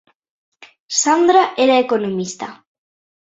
Sandra era economista.